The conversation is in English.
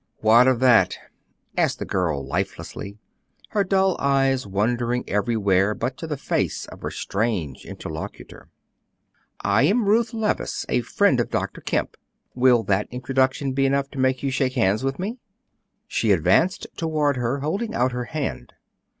"What of that?" Asked the girl, lifelessly, her dull eyes wandering everywhere but to the face of her strange interlocutor. "I am Ruth Levice, a friend of Dr. Kemp. Will that introduction be enough to make you shake hands with me?" She advanced toward her, holding out her hand.